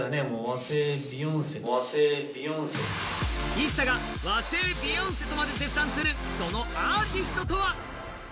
ＩＳＳＡが和製ビヨンセとまで絶賛する、そのアーティストとは？